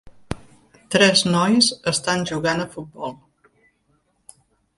Tres nois estan jugant a futbol